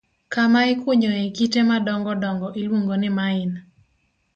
Kama ikunyoe kite madongo dongo iluongo ni mine.